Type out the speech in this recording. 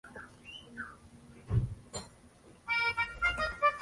La localidad cuenta con un estadio de fútbol y un hipódromo.